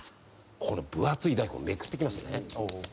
この分厚い台本めくってきましてね。